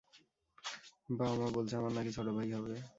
বাবা, মা বলছে আমার না-কি ছোটোভাই হবে।